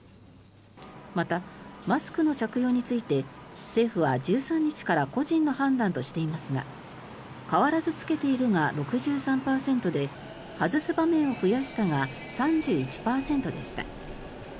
また、マスクの着用について政府は１３日から個人の判断としていますが変わらず着けているが６３％で外す場面を増やしたが３１％でした。